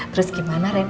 terus gimana ren